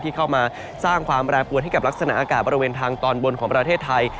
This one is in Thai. เข้ามาสร้างความแปรปวนให้กับลักษณะอากาศบริเวณทางตอนบนของประเทศไทย